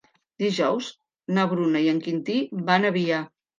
Dijous na Bruna i en Quintí van a Avià.